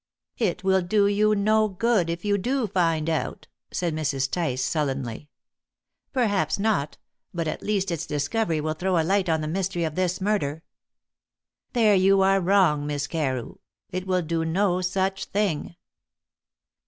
"It will do you no good if you do find out," said Mrs. Tice sullenly. "Perhaps not; but at least its discovery will throw a light on the mystery of this murder." "There you are wrong, Miss Carew. It will do no such thing."